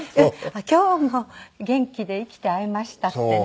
今日も元気で生きて会えましたってね